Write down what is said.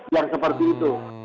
yang seperti itu